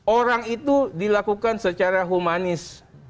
orang itu dilakukan secara humanis